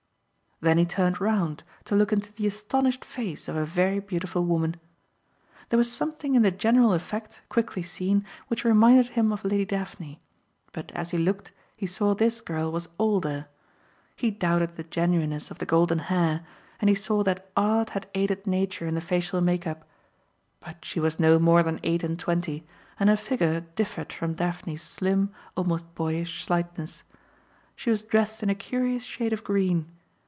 Then he turned round to look into the astonished face of a very beautiful woman. There was something in the general effect, quickly seen, which reminded him of Lady Daphne; but as he looked he saw this girl was older. He doubted the genuineness of the golden hair and he saw that art had aided nature in the facial make up. But she was no more than eight and twenty and her figure differed from Daphne's slim, almost boyish slightness. She was dressed in a curious shade of green.